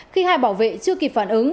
khi hai bảo vệ chưa kịp phản ứng